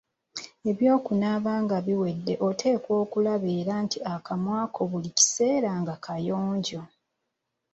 Eby'okunaaba nga biwedde oteekwa okulaba era nti akamwa ko buli kiseera nga kayonjo.